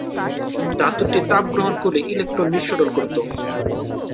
ধাতুটি তাপ গ্রহণ করে ইলেকট্রন নিঃসরণ করত।